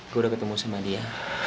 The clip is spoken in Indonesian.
gue udah ketemu sama dia